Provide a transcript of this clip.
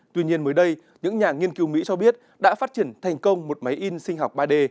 tuy nhiên mới đây những nhà nghiên cứu mỹ cho biết đã phát triển thành công một máy in sinh học ba d